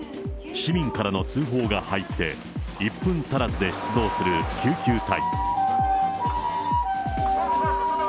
市民からの通報が入って、１分足らずで出動する救急隊。